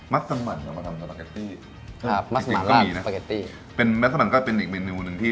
ที่สมันล่าสปาเก็ตตี้เป็นแมสเซอมันก็เป็นอีกเปรียบหนึ่งที่